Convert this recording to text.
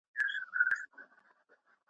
هغه وویل چې پوهه غواړم.